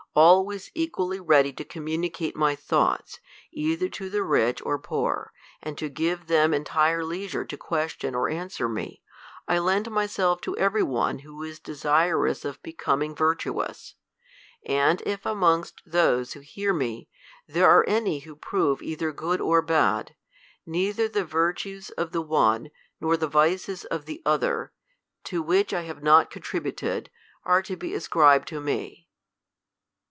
Always equally ready to communicate my thoughts either to the rich or poor, and. to give them entire leisure to question or ar^swer me, I lend myself to every one who is desirous of becoming virtupua; and if amongst those who hear me, there are any who prove either good or bad, nei ther the virtues of the one, nor the vices of the other, to THE COLUMBIAN ORATOR. 123 to whicli I have not contributed, are to be ascribed to me.